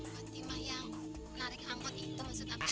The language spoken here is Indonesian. fatimah yang menarik angkut itu maksud apa